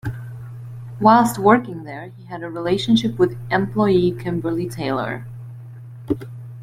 Whilst working there, he had a relationship with employee Kimberley Taylor.